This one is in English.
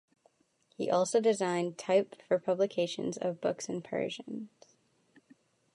He also designed type for publications of books in Persian.